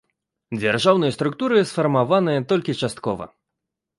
Дзяржаўныя структуры сфармаваныя толькі часткова.